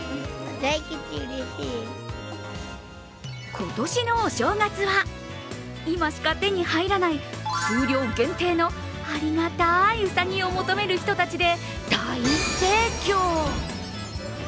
今年のお正月は、今しか手に入らない数量限定のありがたいうさぎを求める人たちで大盛況。